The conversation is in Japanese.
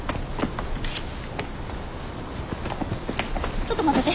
ちょっと持ってて。